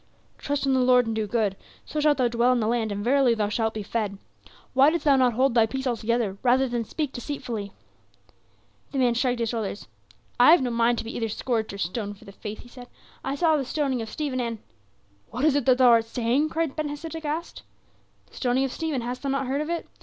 "'Trust in the Lord and do good, so shalt thou dwell in the land, and verily thou shalt be fed.' Why didst thou not hold thy peace altogether rather than speak deceitfully?" The man shrugged his shoulders. "I have no mind to be either scourged or stoned for the faith," he said; "I saw the stoning of Stephen and " "What is it that thou art saying?" cried Ben Hesed aghast. "The stoning of Stephen hast thou not heard of it?